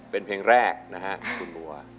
เป็นเต็มแรกอากาศ